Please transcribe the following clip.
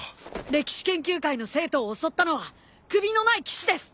歴史研究会の生徒を襲ったのは首のない騎士です！